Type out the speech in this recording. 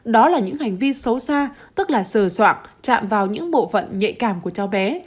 đó là những hành vi xấu xa tức là sờ soạn chạm vào những bộ phận nhạy cảm của cháu bé